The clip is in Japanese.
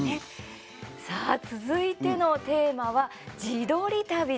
さあ、続いてのテーマは「自撮り旅」です。